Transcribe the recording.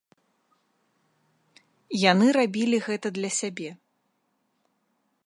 Яны рабілі гэта для сябе.